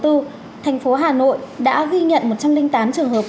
thành phố hà nội đã ghi nhận một trăm linh tám trường hợp